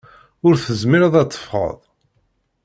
Ur tezmireḍ ad teffɣeḍ.